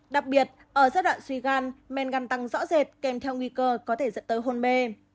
đặc biệt ở giai đoạn suy gan men gan tăng rõ rệt kèm theo nguy cơ có thể dẫn tới hôn mê